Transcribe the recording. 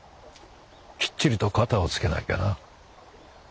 きっちりと片をつけなきゃな。